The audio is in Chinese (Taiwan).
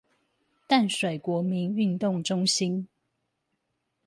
淡水國民運動中心